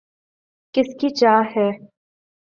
کس کی چاہ ہے